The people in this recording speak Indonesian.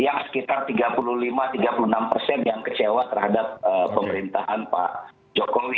yang sekitar tiga puluh lima tiga puluh enam persen yang kecewa terhadap pemerintahan pak jokowi